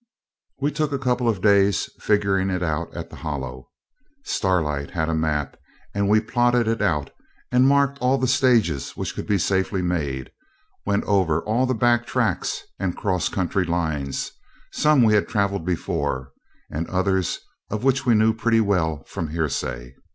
We took a couple of days figuring it out at the Hollow. Starlight had a map, and we plotted it out, and marked all the stages which could be safely made went over all the back tracks and cross country lines; some we had travelled before, and others of which we knew pretty well from hearsay.